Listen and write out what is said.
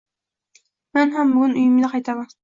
— Men ham bugun uyimga qaytaman.